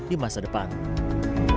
dalam merampas ini lebih baik untuk